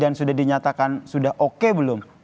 dan sudah diperbaiki dan sudah dinyatakan sudah oke belum